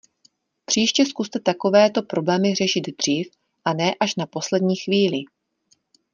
Příště zkuste takovéto problémy řešit dřív a ne až na poslední chvíli.